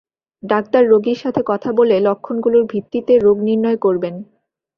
Doctor রোগীর সাথে কথা বলে লক্ষণগুলোর ভিত্তিতে রোগ নির্ণয় করবেন।